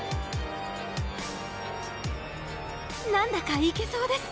何だかいけそうです。